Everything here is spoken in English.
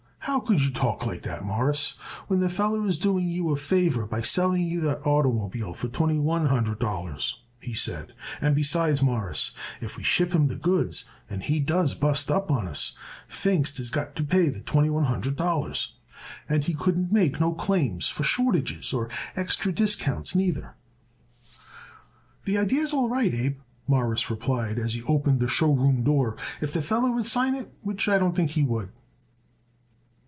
"How could you talk like that, Mawruss, when the feller is doing you a favor by selling you that oitermobile for twenty one hundred dollars!" he said. "And besides, Mawruss, if we ship him the goods and he does bust up on us, Pfingst is got to pay the twenty one hundred dollars, and he couldn't make no claims for shortages or extra discounts neither." "The idee is all right, Abe," Morris replied as he opened the show room door, "if the feller would sign it, which I don't think he would."